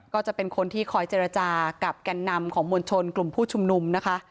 ก็จะเป็นคนที่คอยเจรจากับแก่นนำของมวลชนกลุ่มผู้ชุมนุมนะคะ